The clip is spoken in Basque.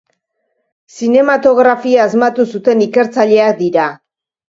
Zinematografia asmatu zuten ikertzaileak dira.